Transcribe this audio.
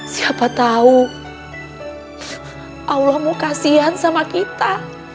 siapa tahu allah mau kasihan sama kita